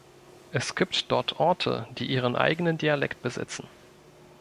Es gibt dort Orte, die ihren eigenen Dialekt besitzen.